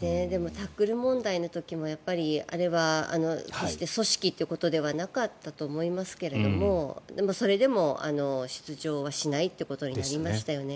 でも、タックル問題の時もあれは決して組織ということではなかったと思いますがでもそれでも出場をしないということになりましたよね。